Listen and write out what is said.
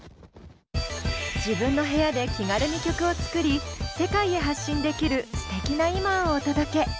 自分の部屋で気軽に曲を作り世界へ発信できるすてきな今をお届け。